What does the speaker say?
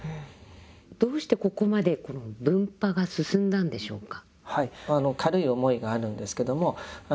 どうしてここまで分派が進んだんでしょうか？